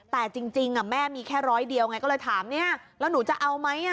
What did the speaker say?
แต่จริงแม่มีแค่ร้อยเดียวไงก็เลยถามเนี่ยแล้วหนูจะเอาไหม